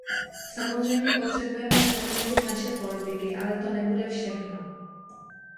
Samozřejmě potřebujeme přehodnotit naše politiky, ale to nebude všechno.